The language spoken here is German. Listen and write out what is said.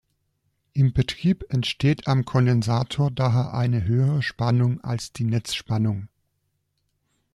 Im Betrieb entsteht am Kondensator daher eine höhere Spannung als die Netzspannung.